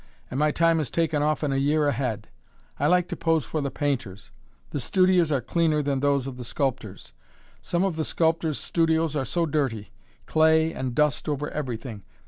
and my time is taken often a year ahead. I like to pose for the painters the studios are cleaner than those of the sculptor's. Some of the sculptors' studios are so dirty clay and dust over everything!